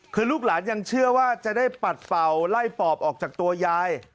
คือลูกหลานยังเชื่อว่าจะได้ปัดเป่าไล่ปอบออกจากตัวยาย